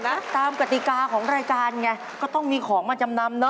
ตามกติกาของรายการไงก็ต้องมีของมาจำนำเนอ